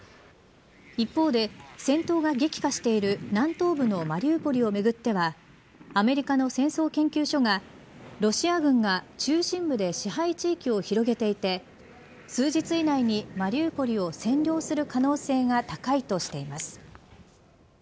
一方で戦闘が激化している南東部のマリウポリをめぐってはアメリカの戦争研究所がロシア軍が中心部で支配地域を広げていて数日以内にマリウポリを占領する可能性が高いとしています。